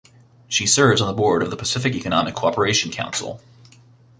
She serves on the board of the Pacific Economic Cooperation Council.